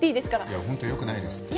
いや本当よくないですって。